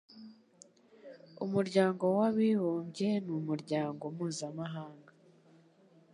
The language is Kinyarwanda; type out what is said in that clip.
Umuryango w'abibumbye ni umuryango mpuzamahanga